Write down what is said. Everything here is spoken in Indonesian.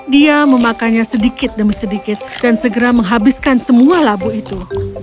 dia memakannya sedikit demi sedikit dan segera menghabiskan semua labu itu